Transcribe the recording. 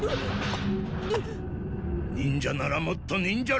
忍者ならもっと忍者らしく！